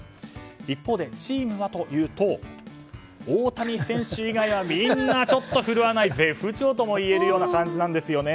一方でチームはというと大谷選手以外はみんなちょっと振るわない絶不調ともいえるような感じなんですよね。